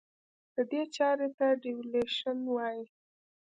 دې چارې ته Devaluation وایي.